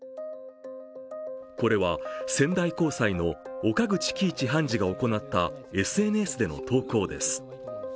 これは仙台高裁の岡口基一判事が行ったＳＮＳでの投稿です。